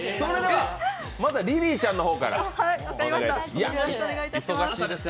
まずはリリーちゃんの方からお願いします。